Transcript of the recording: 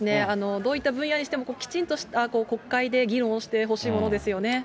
どういった分野にしても、きちんとした、国会で議論をしてほしいものですよね。